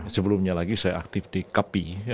sebelumnya lagi saya aktif di kepi